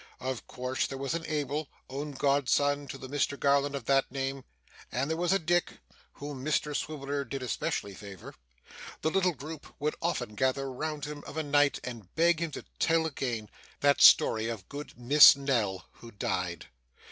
Of course there was an Abel, own godson to the Mr Garland of that name; and there was a Dick, whom Mr Swiveller did especially favour. The little group would often gather round him of a night and beg him to tell again that story of good Miss Nell who died.